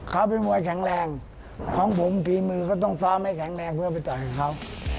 เขาเป็นมวยแข็งแรงของผมฝีมือเขาต้องซ้อมให้แข็งแรงเพื่อไปต่อยเขา